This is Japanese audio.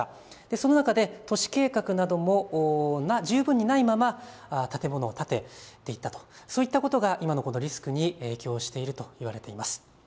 その中で都市計画なども十分にないまま建物を建てていったと、そういったことが今のこのリスクに影響していると言われています。